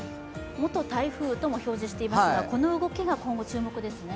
元台風とも表示していますが、この動きが今後、注目ですね。